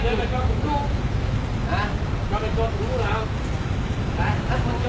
สวัสดีครับทุกคน